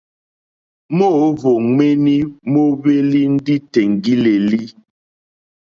Móǒhwò ŋméní móhwélì ndí tèŋɡí!lélí.